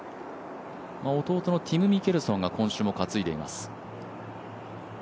弟のティム・ミケルソンが今週も担いでいます。